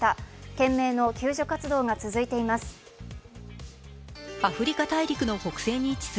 懸命の救助活動が続いています。